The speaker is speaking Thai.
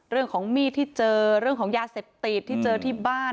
เรื่องของมีดที่เจอเรื่องของยาเสพติดที่เจอที่บ้าน